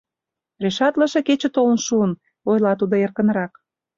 — Решатлыше кече толын шуын, — ойла тудо эркынрак.